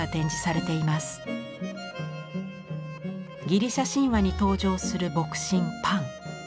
ギリシャ神話に登場する牧神パン。